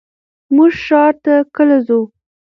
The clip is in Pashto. مونږ ښار ته کله ځو؟